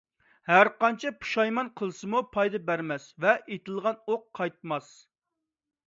ھەرقانچە پۇشايمان قىلسىمۇ پايدا بەرمەس ۋە ئېتىلغان ئوق قايتماس.